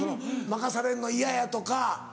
負かされるの嫌やとか。